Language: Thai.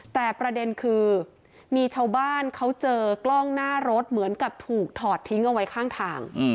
แต่ประเด็นคือมีชาวบ้านเขาเจอกล้องหน้ารถเหมือนกับถูกถอดทิ้งเอาไว้ข้างทาง